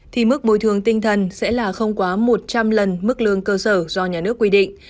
thì mức bồi thường tinh thần sẽ là không quá một trăm linh lần mức lương cơ sở do nhà nước quy định